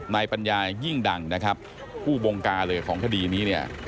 ปัญญายิ่งดังนะครับผู้บงการเลยของคดีนี้เนี่ย